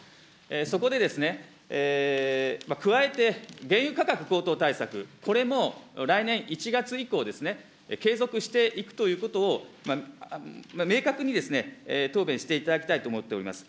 そこで、加えて原油価格高騰対策、これも来年１月以降ですね、継続していくということを明確に答弁していただきたいと思っております。